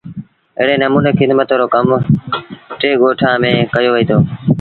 ايڙي نموني کدمت رو ڪم با ٽي ڳوٺآݩ ميݩ ڪيو وهيٚتو۔